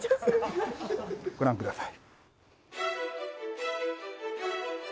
ご覧ください。